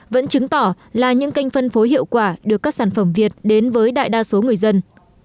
vẫn chứng tỏ là những kênh phân phối hiệu quả được các sản phẩm việt đến với đại đa số người dân